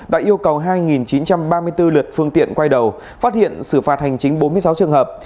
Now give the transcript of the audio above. đã yêu cầu hai chín trăm ba mươi bốn lượt phương tiện quay đầu phát hiện xử phạt hành chính bốn mươi sáu trường hợp